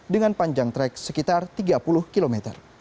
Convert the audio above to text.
dengan panjang trek sekitar tiga puluh kilometer